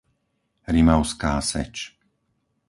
Rimavská Seč